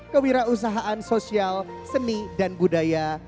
kewirausahaan sosial seni dan budaya